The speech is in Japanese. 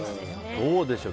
どうでしょう？